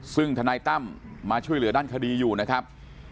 ซึ่งธนายตั้มมาช่วยเหลือด้านคดีอยู่นะครับ